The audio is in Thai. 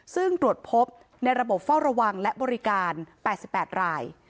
ซึ่งตรวจพบในระบบเฝ้าระวังและบริการ๘๘ราย